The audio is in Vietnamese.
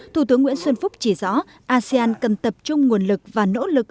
thủ tướng nguyễn xuân phúc chỉ rõ asean cần tập trung nguồn lực và nỗ lực